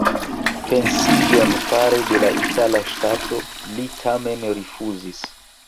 Pension fare de la itala ŝtato li tamen rifŭzis.